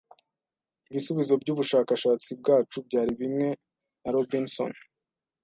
ibisubizo byubushakashatsi bwacu byari bimwe na Robinson